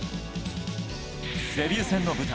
デビュー戦の舞台